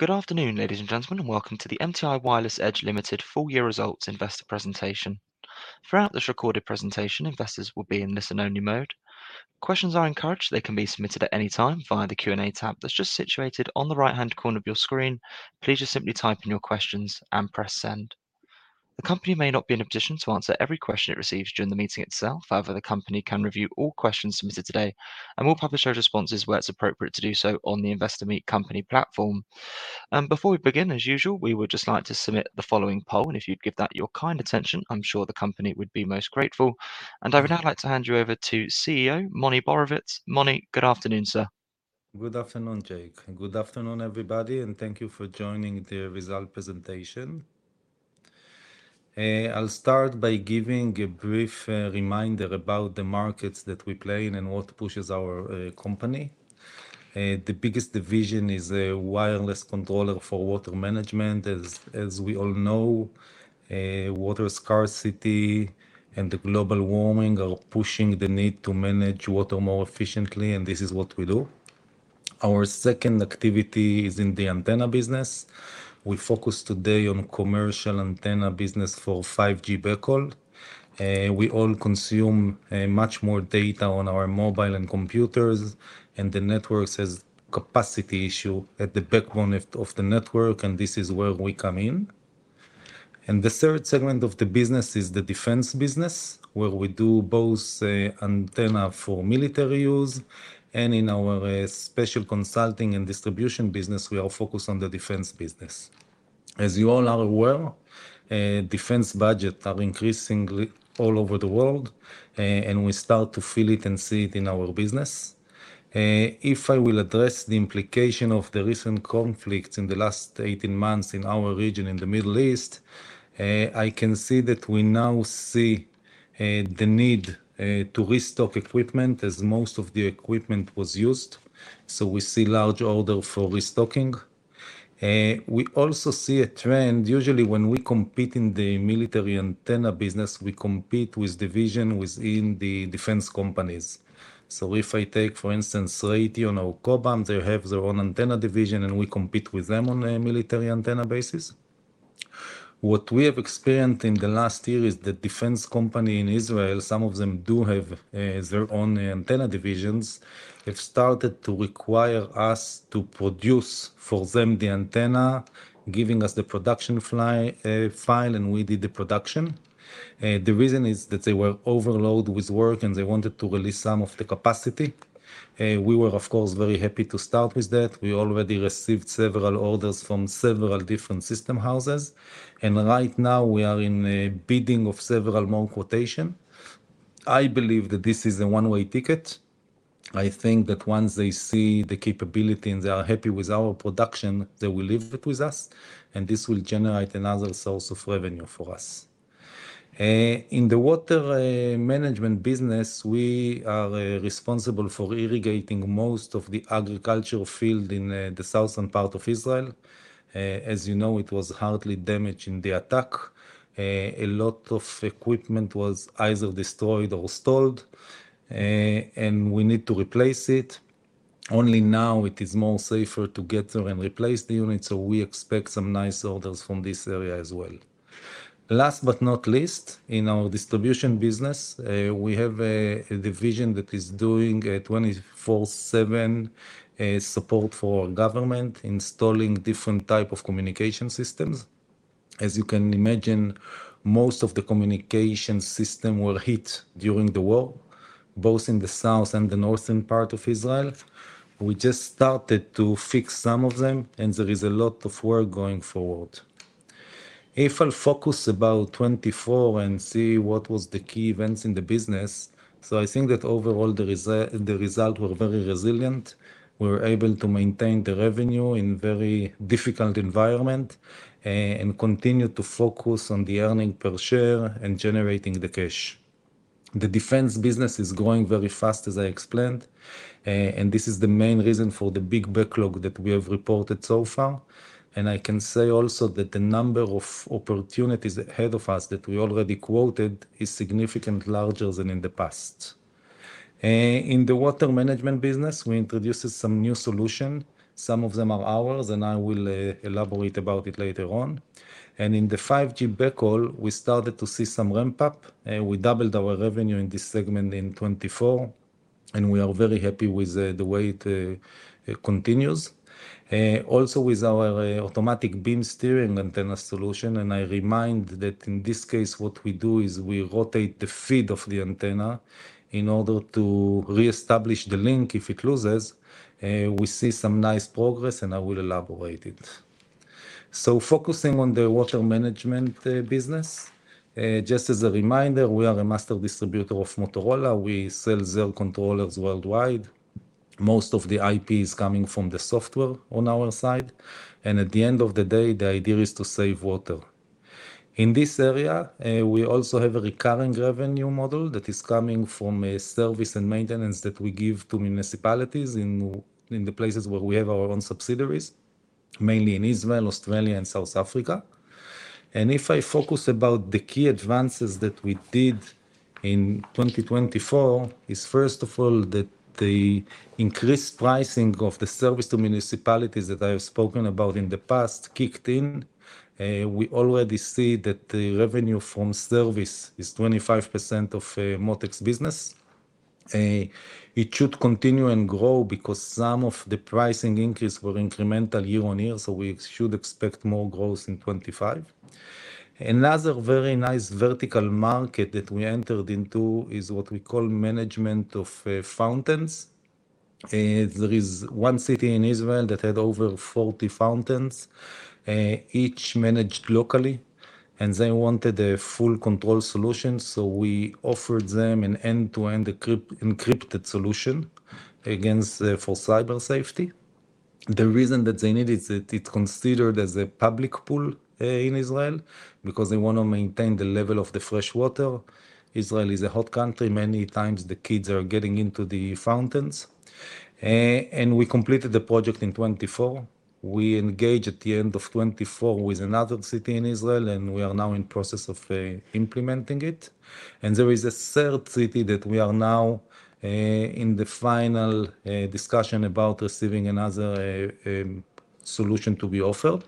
Good afternoon, ladies and gentlemen, and welcome to the MTI Wireless Edge Limited full-year results investor presentation. Throughout this recorded presentation, investors will be in listen-only mode. Questions are encouraged; they can be submitted at any time via the Q&A tab that's just situated on the right-hand corner of your screen. Please just simply type in your questions and press send. The company may not be in a position to answer every question it receives during the meeting itself. However, the company can review all questions submitted today and will publish those responses where it's appropriate to do so on the Investor Meet Company platform. Before we begin, as usual, we would just like to submit the following poll, and if you'd give that your kind attention, I'm sure the company would be most grateful. I would now like to hand you over to CEO Moni Borovitz. Moni, good afternoon, sir. Good afternoon, Jake. Good afternoon, everybody, and thank you for joining the result presentation. I'll start by giving a brief reminder about the markets that we play in and what pushes our company. The biggest division is wireless controllers for water management. As we all know, water scarcity and global warming are pushing the need to manage water more efficiently, and this is what we do. Our second activity is in the antenna business. We focus today on commercial antenna business for 5G backhaul. We all consume much more data on our mobile and computers, and the network has a capacity issue at the backbone of the network, and this is where we come in. The third segment of the business is the defense business, where we do both antenna for military use, and in our special consulting and distribution business, we are focused on the defense business. As you all are aware, defense budgets are increasing all over the world, and we start to feel it and see it in our business. If I will address the implication of the recent conflicts in the last 18 months in our region in the Middle East, I can see that we now see the need to restock equipment as most of the equipment was used. We see a large order for restocking. We also see a trend; usually, when we compete in the military antenna business, we compete with divisions within the defense companies. If I take, for instance, Raytheon or Cobham, they have their own antenna division, and we compete with them on a military antenna basis. What we have experienced in the last year is that defense companies in Israel, some of them do have their own antenna divisions, have started to require us to produce for them the antenna, giving us the production file, and we did the production. The reason is that they were overloaded with work, and they wanted to release some of the capacity. We were, of course, very happy to start with that. We already received several orders from several different system houses, and right now we are in bidding for several more quotations. I believe that this is a one-way ticket. I think that once they see the capability and they are happy with our production, they will leave it with us, and this will generate another source of revenue for us. In the water management business, we are responsible for irrigating most of the agricultural field in the southern part of Israel. As you know, it was hardly damaged in the attack. A lot of equipment was either destroyed or stalled, and we need to replace it. Only now it is more safe to get there and replace the unit, so we expect some nice orders from this area as well. Last but not least, in our distribution business, we have a division that is doing 24/7 support for our government, installing different types of communication systems. As you can imagine, most of the communication systems were hit during the war, both in the south and the northern part of Israel. We just started to fix some of them, and there is a lot of work going forward. If I'll focus about 2024 and see what were the key events in the business, I think that overall the results were very resilient. We were able to maintain the revenue in a very difficult environment and continue to focus on the earning per share and generating the cash. The defense business is growing very fast, as I explained, and this is the main reason for the big backlog that we have reported so far. I can say also that the number of opportunities ahead of us that we already quoted is significantly larger than in the past. In the water management business, we introduced some new solutions. Some of them are ours, and I will elaborate about it later on. In the 5G backhaul, we started to see some ramp-up. We doubled our revenue in this segment in 2024, and we are very happy with the way it continues. Also, with our automatic beam steering antenna solution, and I remind that in this case what we do is we rotate the feed of the antenna in order to reestablish the link if it loses. We see some nice progress, and I will elaborate it. Focusing on the water management business, just as a reminder, we are a master distributor of Motorola. We sell their controllers worldwide. Most of the IP is coming from the software on our side, and at the end of the day, the idea is to save water. In this area, we also have a recurring revenue model that is coming from service and maintenance that we give to municipalities in the places where we have our own subsidiaries, mainly in Israel, Australia, and South Africa. If I focus about the key advances that we did in 2024, it's first of all that the increased pricing of the service to municipalities that I have spoken about in the past kicked in. We already see that the revenue from service is 25% of Mottech's business. It should continue and grow because some of the pricing increases were incremental year-on-year, so we should expect more growth in 2025. Another very nice vertical market that we entered into is what we call management of fountains. There is one city in Israel that had over 40 fountains, each managed locally, and they wanted a full control solution, so we offered them an end-to-end encrypted solution for cyber safety. The reason that they needed it is that it's considered as a public pool in Israel because they want to maintain the level of the fresh water. Israel is a hot country. Many times, the kids are getting into the fountains. We completed the project in 2024. We engaged at the end of 2024 with another city in Israel, and we are now in the process of implementing it. There is a third city that we are now in the final discussion about receiving another solution to be offered.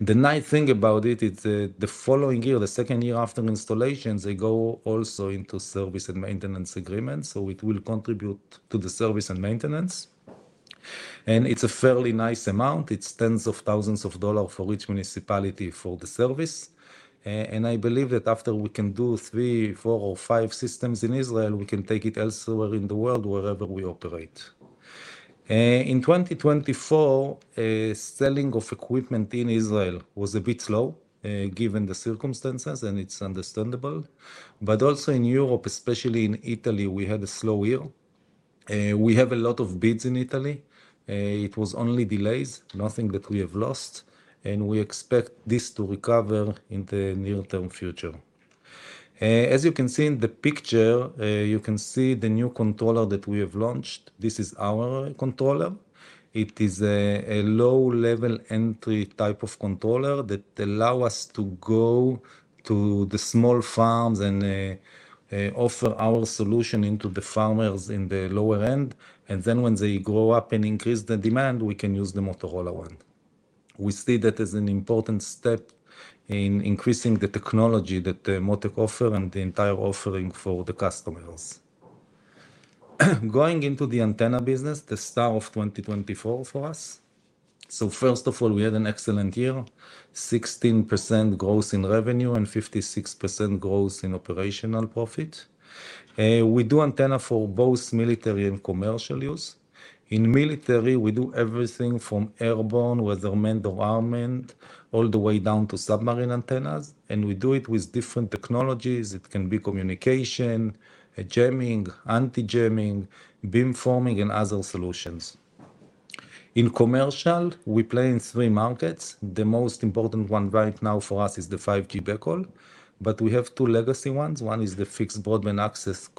The nice thing about it is that the following year, the second year after installation, they go also into service and maintenance agreements, so it will contribute to the service and maintenance. It is a fairly nice amount. It is tens of thousands of dollars for each municipality for the service. I believe that after we can do three, four, or five systems in Israel, we can take it elsewhere in the world, wherever we operate. In 2024, selling of equipment in Israel was a bit slow given the circumstances, and it's understandable. Also in Europe, especially in Italy, we had a slow year. We have a lot of bids in Italy. It was only delays, nothing that we have lost, and we expect this to recover in the near-term future. As you can see in the picture, you can see the new controller that we have launched. This is our controller. It is a low-level entry type of controller that allows us to go to the small farms and offer our solution to the farmers in the lower end. When they grow up and increase the demand, we can use the Motorola one. We see that as an important step in increasing the technology that Mottech offers and the entire offering for the customers. Going into the antenna business, the star of 2024 for us. First of all, we had an excellent year, 16% growth in revenue and 56% growth in operational profit. We do antenna for both military and commercial use. In military, we do everything from airborne, manpack to armored, all the way down to submarine antennas. We do it with different technologies. It can be communication, jamming, anti-jamming, beamforming, and other solutions. In commercial, we play in three markets. The most important one right now for us is the 5G backhaul, but we have two legacy ones. One is the fixed broadband access,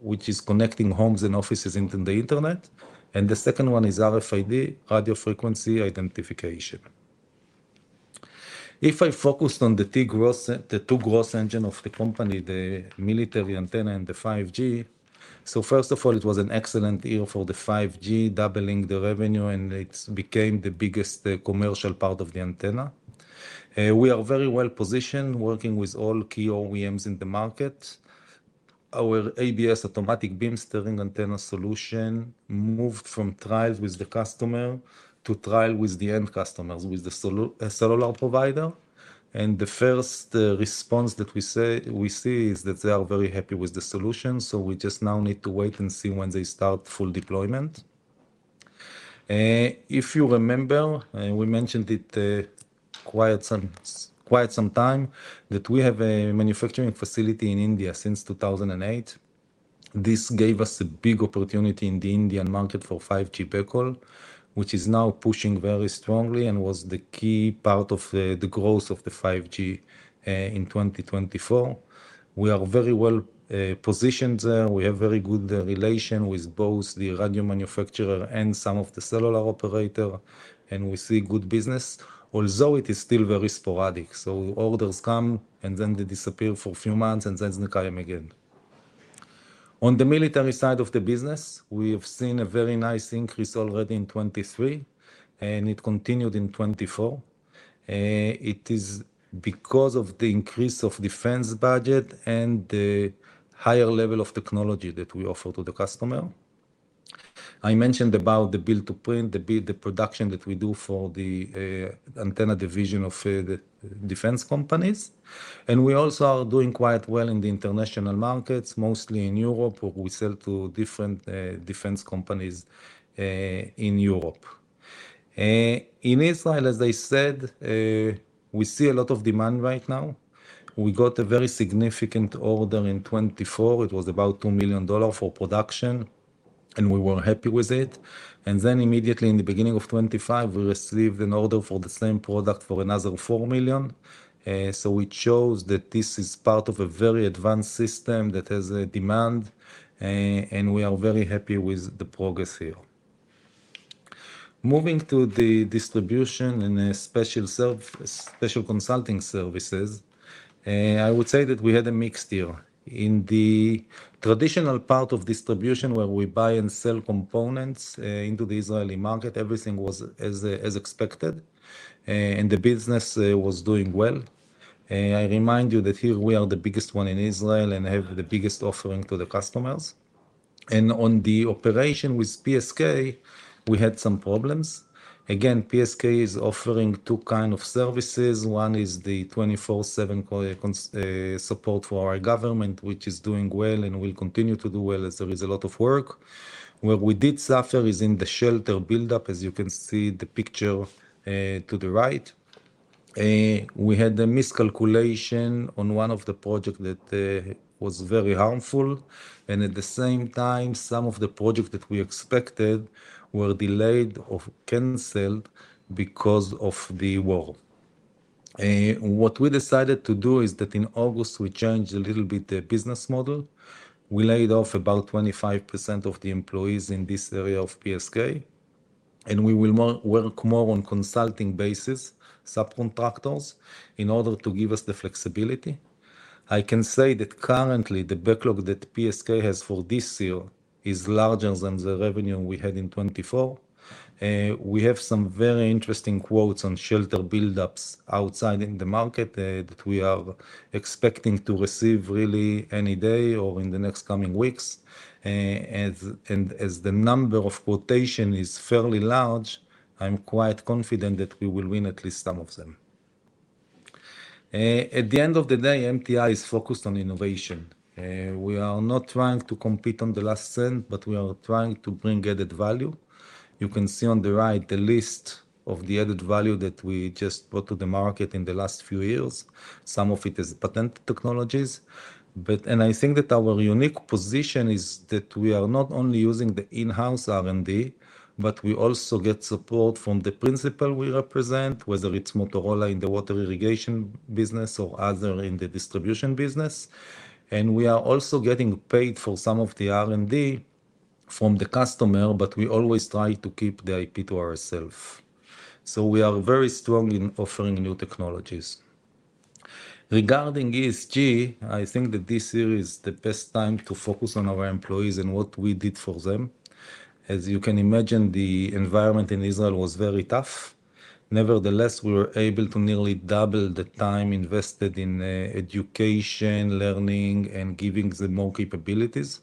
which is connecting homes and offices into the internet, and the second one is RFID, radio frequency identification. If I focus on the two growth engines of the company, the military antenna and the 5G, first of all, it was an excellent year for the 5G, doubling the revenue, and it became the biggest commercial part of the antenna. We are very well positioned, working with all key OEMs in the market. Our ABS automatic beam steering antenna solution moved from trial with the customer to trial with the end customers, with the cellular provider. The first response that we see is that they are very happy with the solution, so we just now need to wait and see when they start full deployment. If you remember, we mentioned it quite some time that we have a manufacturing facility in India since 2008. This gave us a big opportunity in the Indian market for 5G backhaul, which is now pushing very strongly and was the key part of the growth of the 5G in 2024. We are very well positioned there. We have a very good relation with both the radio manufacturer and some of the cellular operators, and we see good business, although it is still very sporadic. Orders come and then they disappear for a few months, and then they come again. On the military side of the business, we have seen a very nice increase already in 2023, and it continued in 2024. It is because of the increase of defense budget and the higher level of technology that we offer to the customer. I mentioned about the build-to-print, the production that we do for the antenna division of defense companies. We also are doing quite well in the international markets, mostly in Europe, where we sell to different defense companies in Europe. In Israel, as I said, we see a lot of demand right now. We got a very significant order in 2024. It was about $2 million for production, and we were happy with it. Immediately in the beginning of 2025, we received an order for the same product for another $4 million. It shows that this is part of a very advanced system that has a demand, and we are very happy with the progress here. Moving to the distribution and special consulting services, I would say that we had a mixed year. In the traditional part of distribution, where we buy and sell components into the Israeli market, everything was as expected, and the business was doing well. I remind you that here we are the biggest one in Israel and have the biggest offering to the customers. On the operation with PSK, we had some problems. Again, PSK is offering two kinds of services. One is the 24/7 support for our government, which is doing well and will continue to do well as there is a lot of work. Where we did suffer is in the shelter buildup, as you can see the picture to the right. We had a miscalculation on one of the projects that was very harmful, and at the same time, some of the projects that we expected were delayed or canceled because of the war. What we decided to do is that in August, we changed a little bit the business model. We laid off about 25% of the employees in this area of PSK, and we will work more on a consulting basis, subcontractors, in order to give us the flexibility. I can say that currently the backlog that PSK has for this year is larger than the revenue we had in 2024. We have some very interesting quotes on shelter buildups outside in the market that we are expecting to receive really any day or in the next coming weeks. As the number of quotations is fairly large, I'm quite confident that we will win at least some of them. At the end of the day, MTI is focused on innovation. We are not trying to compete on the last cent, but we are trying to bring added value. You can see on the right the list of the added value that we just brought to the market in the last few years. Some of it is patented technologies. I think that our unique position is that we are not only using the in-house R&D, but we also get support from the principal we represent, whether it's Motorola in the water irrigation business or other in the distribution business. We are also getting paid for some of the R&D from the customer, but we always try to keep the IP to ourselves. We are very strong in offering new technologies. Regarding ESG, I think that this year is the best time to focus on our employees and what we did for them. As you can imagine, the environment in Israel was very tough. Nevertheless, we were able to nearly double the time invested in education, learning, and giving them more capabilities.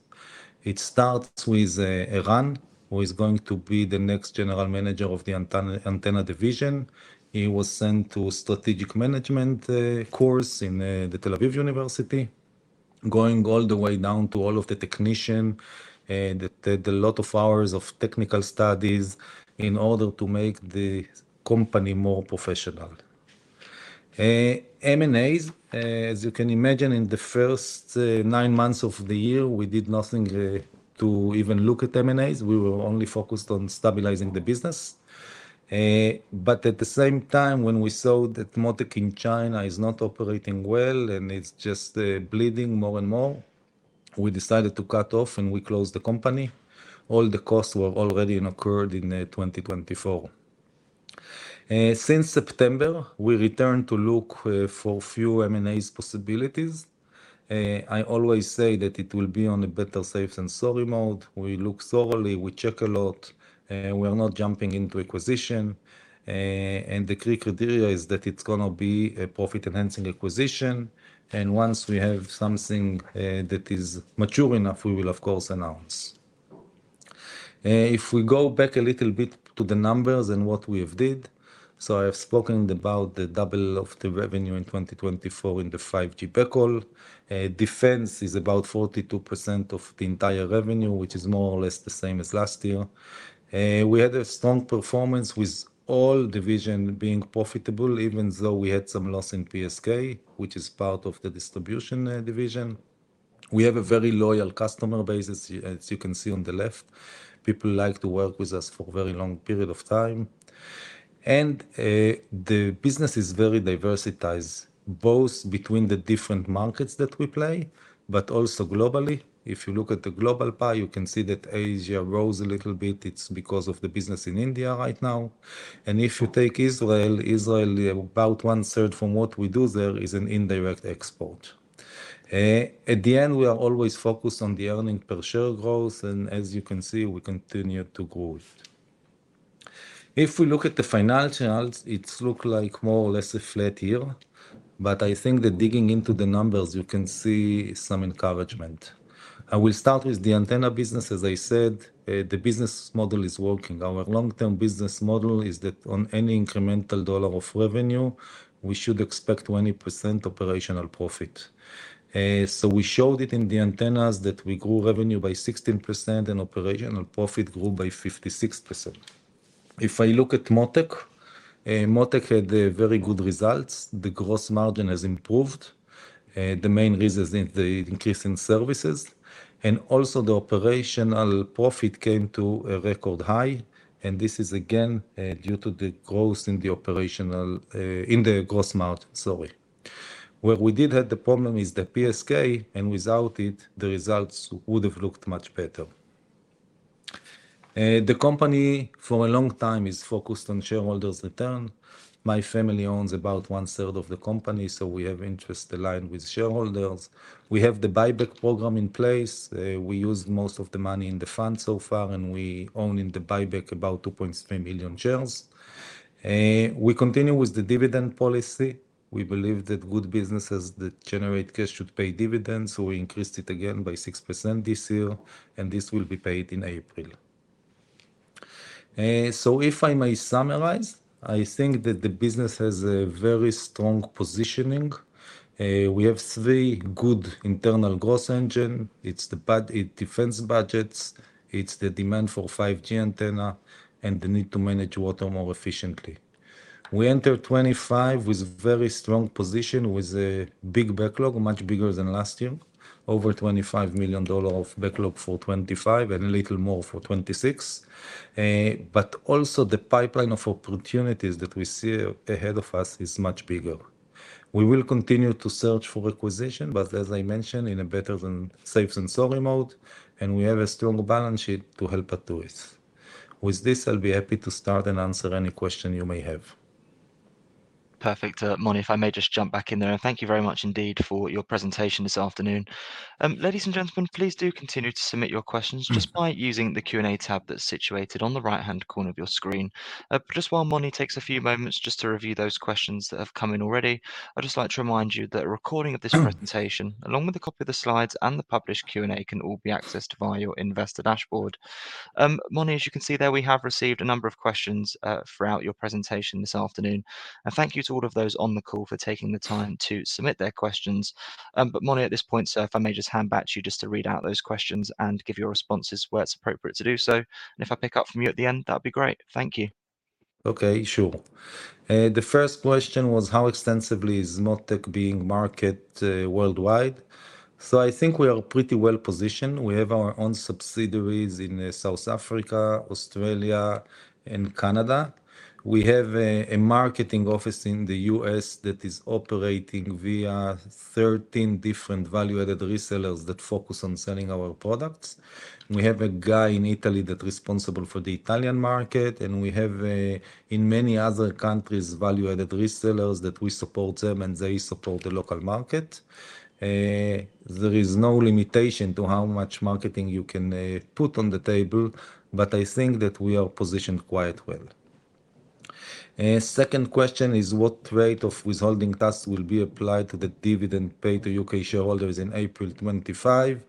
It starts with Eran, who is going to be the next General Manager of the antenna division. He was sent to a strategic management course in Tel Aviv University, going all the way down to all of the technicians that did a lot of hours of technical studies in order to make the company more professional. M&As, as you can imagine, in the first nine months of the year, we did nothing to even look at M&As. We were only focused on stabilizing the business. At the same time, when we saw that Mottech in China is not operating well and it is just bleeding more and more, we decided to cut off and we closed the company. All the costs were already incurred in 2024. Since September, we returned to look for a few M&A possibilities. I always say that it will be on a better safe than sorry mode. We look thoroughly, we check a lot, we are not jumping into acquisition. The key criteria is that it's going to be a profit-enhancing acquisition. Once we have something that is mature enough, we will, of course, announce. If we go back a little bit to the numbers and what we have did, I have spoken about the double of the revenue in 2024 in the 5G backhaul. Defense is about 42% of the entire revenue, which is more or less the same as last year. We had a strong performance with all divisions being profitable, even though we had some loss in PSK, which is part of the distribution division. We have a very loyal customer base, as you can see on the left. People like to work with us for a very long period of time. The business is very diversified, both between the different markets that we play, but also globally. If you look at the global pie, you can see that Asia rose a little bit. It's because of the business in India right now. If you take Israel, Israel, about one-third from what we do there is an indirect export. At the end, we are always focused on the earning per share growth, and as you can see, we continue to grow. If we look at the financials, it looks like more or less a flat year, but I think that digging into the numbers, you can see some encouragement. I will start with the antenna business. As I said, the business model is working. Our long-term business model is that on any incremental dollar of revenue, we should expect 20% operational profit. We showed it in the antennas that we grew revenue by 16% and operational profit grew by 56%. If I look at Mottech, Mottech had very good results. The gross margin has improved. The main reason is the increase in services. Also, the operational profit came to a record high. This is again due to the growth in the operational, in the gross margin, sorry. Where we did have the problem is the PSK, and without it, the results would have looked much better. The company, for a long time, is focused on shareholders' return. My family owns about one-third of the company, so we have interests aligned with shareholders. We have the buyback program in place. We used most of the money in the fund so far, and we own in the buyback about 2.3 million shares. We continue with the dividend policy. We believe that good businesses that generate cash should pay dividends, so we increased it again by 6% this year, and this will be paid in April. If I may summarize, I think that the business has a very strong positioning. We have three good internal growth engines. It's the defense budgets, it's the demand for 5G antenna, and the need to manage water more efficiently. We entered 2025 with a very strong position with a big backlog, much bigger than last year, over $25 million of backlog for 2025 and a little more for 2026. Also, the pipeline of opportunities that we see ahead of us is much bigger. We will continue to search for acquisition, but as I mentioned, in a better than safe than sorry mode, and we have a strong balance sheet to help us do it. With this, I'll be happy to start and answer any question you may have. Perfect. Moni, if I may just jump back in there, and thank you very much indeed for your presentation this afternoon. Ladies and gentlemen, please do continue to submit your questions just by using the Q&A tab that's situated on the right-hand corner of your screen. Just while Moni takes a few moments just to review those questions that have come in already, I'd just like to remind you that a recording of this presentation, along with a copy of the slides and the published Q&A, can all be accessed via your investor dashboard. Moni, as you can see there, we have received a number of questions throughout your presentation this afternoon. Thank you to all of those on the call for taking the time to submit their questions. Moni, at this point, sir, if I may just hand back to you to read out those questions and give your responses where it's appropriate to do so. If I pick up from you at the end, that would be great. Thank you. Okay, sure. The first question was how extensively is Mottech being marketed worldwide. I think we are pretty well positioned. We have our own subsidiaries in South Africa, Australia, and Canada. We have a marketing office in the US that is operating via 13 different value-added resellers that focus on selling our products. We have a guy in Italy that's responsible for the Italian market, and we have in many other countries value-added resellers that we support them, and they support the local market. There is no limitation to how much marketing you can put on the table, but I think that we are positioned quite well. Second question is what rate of withholding tax will be applied to the dividend paid to U.K. shareholders in April 2025.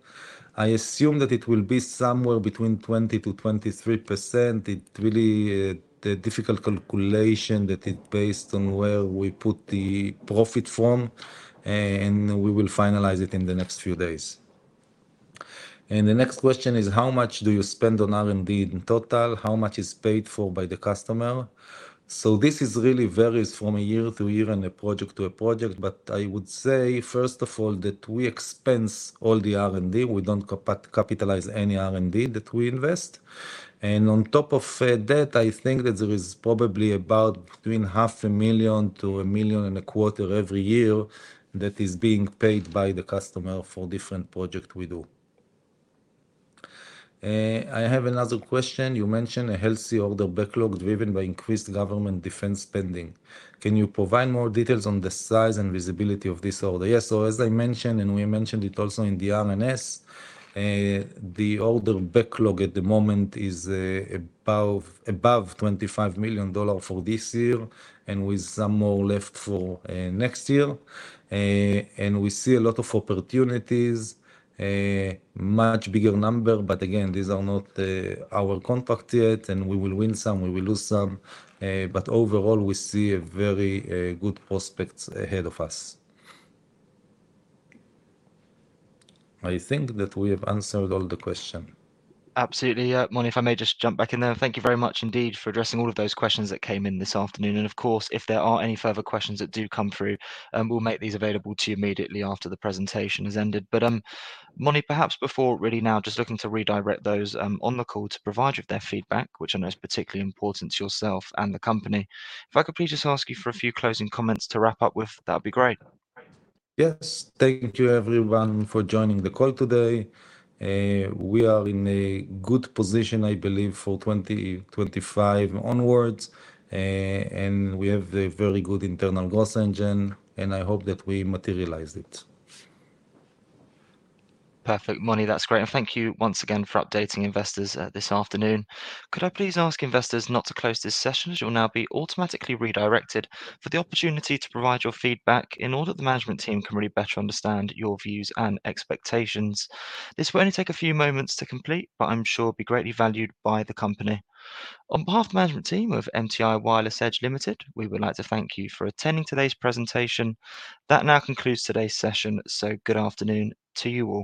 I assume that it will be somewhere between 20% to 23%. It's really a difficult calculation that is based on where we put the profit from, and we will finalize it in the next few days. The next question is how much do you spend on R&D in total? How much is paid for by the customer? This really varies from year to year and project to project, but I would say, first of all, that we expense all the R&D. We do not capitalize any R&D that we invest. On top of that, I think that there is probably about between $500,000-$1,250,000 every year that is being paid by the customer for different projects we do. I have another question. You mentioned a healthy order backlog driven by increased government defense spending. Can you provide more details on the size and visibility of this order? Yes. As I mentioned, and we mentioned it also in the RNS, the order backlog at the moment is above $25 million for this year, with some more left for next year. We see a lot of opportunities, much bigger number, but again, these are not our contract yet, and we will win some, we will lose some. Overall, we see very good prospects ahead of us. I think that we have answered all the questions. Absolutely. Moni, if I may just jump back in there, thank you very much indeed for addressing all of those questions that came in this afternoon. Of course, if there are any further questions that do come through, we will make these available to you immediately after the presentation has ended. Moni, perhaps before really now, just looking to redirect those on the call to provide you with their feedback, which I know is particularly important to yourself and the company. If I could please just ask you for a few closing comments to wrap up with, that would be great. Yes. Thank you, everyone, for joining the call today. We are in a good position, I believe, for 2025 onwards, and we have a very good internal growth engine, and I hope that we materialize it. Perfect, Moni. That's great. Thank you once again for updating investors this afternoon. Could I please ask investors not to close this session, as you'll now be automatically redirected for the opportunity to provide your feedback in order that the management team can really better understand your views and expectations? This will only take a few moments to complete, but I'm sure it will be greatly valued by the company. On behalf of the management team of MTI Wireless Edge Limited, we would like to thank you for attending today's presentation. That now concludes today's session. Good afternoon to you all.